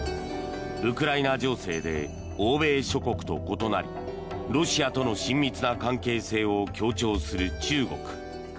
ウクライナ情勢で欧米諸国と異なりロシアとの親密な関係性を強調する中国。